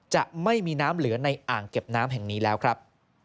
จะไม่มีน้ำเหลือในอ่างเก็บน้ำแห่งนี้แล้วครับ